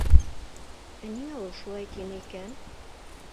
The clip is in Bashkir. Ә ниңә ул шулай тине икән?